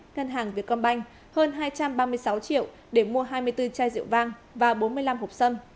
ngân hàng việt công banh hơn hai trăm ba mươi sáu triệu để mua hai mươi bốn chai rượu vang và bốn mươi năm hộp sâm